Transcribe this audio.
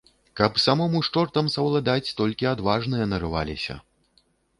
Каб самому з чортам саўладаць, толькі адважныя нарываліся.